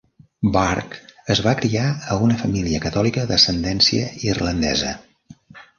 Burke es va criar a una família catòlica d'ascendència irlandesa.